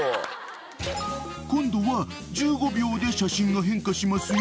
［今度は１５秒で写真が変化しますよ］